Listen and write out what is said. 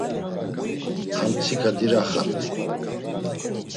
Armtsika diraxat̆i.